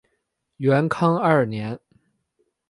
元康二年。